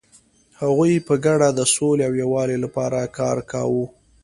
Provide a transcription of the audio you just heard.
هغوی په ګډه د سولې او یووالي لپاره کار کاوه.